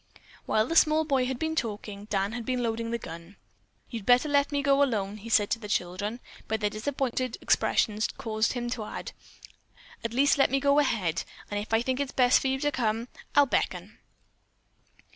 While the small boy had been talking, Dan had been loading the gun. "You'd better let me go alone," he said to the children, but their disappointed expressions caused him to add: "At least let me go ahead, and if I think best for you to come, I'll beckon."